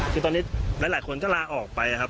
คือตอนนี้หลายคนก็ลาออกไปนะครับ